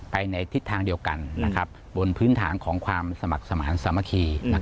ในทิศทางเดียวกันบนพื้นฐานของความสมัครสมาธิสามัคคี